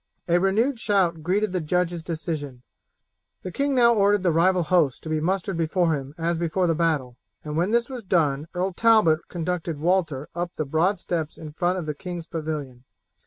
A renewed shout greeted the judge's decision. The king now ordered the rival hosts to be mustered before him as before the battle, and when this was done Earl Talbot conducted Walter up the broad steps in front of the king's pavilion.